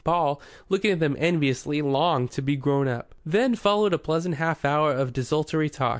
Paul, looking at them enviously, longed to be grown up. Then followed a pleasant half hour of desultory talk.